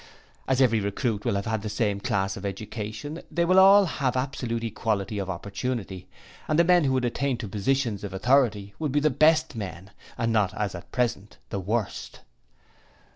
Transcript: As every recruit will have had the same class of education they will all have absolute equality of opportunity and the men who would attain to positions of authority would be the best men, and not as at present, the worst.'